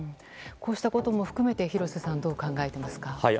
こうしたことも含めて廣瀬さんどう考えてますか。